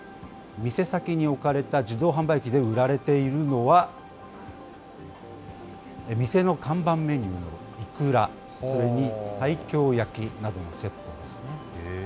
店先に置かれた自動販売機で売られているのは、店の看板メニューのイクラ、それに西京焼きなどのセットですね。